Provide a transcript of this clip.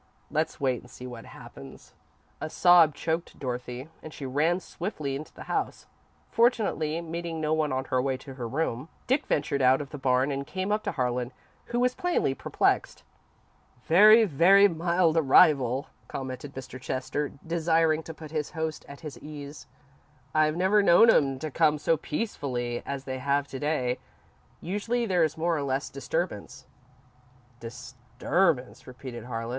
Let's wait and see what happens." A sob choked Dorothy, and she ran swiftly into the house, fortunately meeting no one on her way to her room. Dick ventured out of the barn and came up to Harlan, who was plainly perplexed. "Very, very mild arrival," commented Mr. Chester, desiring to put his host at his ease. "I've never known 'em to come so peacefully as they have to day. Usually there's more or less disturbance." "Disturbance," repeated Harlan.